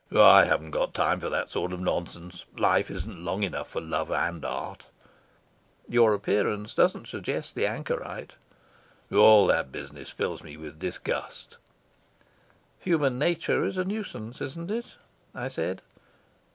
"I haven't got time for that sort of nonsense. Life isn't long enough for love and art." "Your appearance doesn't suggest the anchorite." "All that business fills me with disgust." "Human nature is a nuisance, isn't it?" I said.